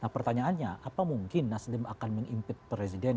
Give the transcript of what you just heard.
pertanyaannya apa mungkin nasdem akan mengimpat presiden